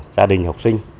gia đình học sinh